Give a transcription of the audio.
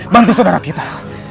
bantu saudara kita